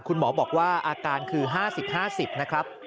คุณหมอบอกว่าอาการคือ๕๐๕๐นะครับ